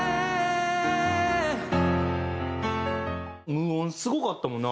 無音すごかったもんな。